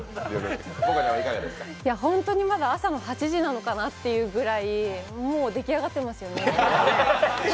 本当にまだ朝の８時なのかなってくらいもう出来上がってますよね。